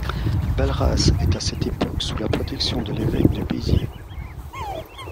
Valras est à cette époque sous la protection de l'évêque de Béziers.